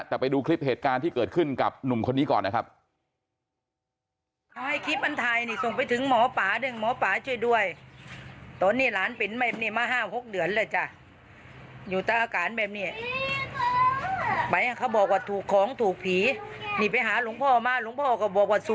แต่ไปดูคลิปเหตุการณ์ที่เกิดขึ้นกับหนุ่มคนนี้ก่อนนะครับ